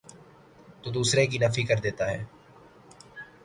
تودوسرے کی نفی کردیتا ہے۔